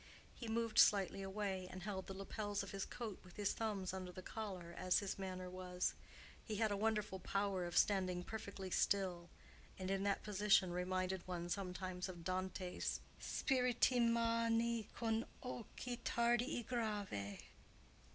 He moved slightly away, and held the lapels of his coat with his thumbs under the collar as his manner was: he had a wonderful power of standing perfectly still, and in that position reminded one sometimes of Dante's spiriti magni con occhi tardi e gravi.